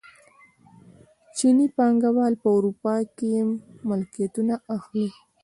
چیني پانګوال په اروپا کې ملکیتونه اخلي.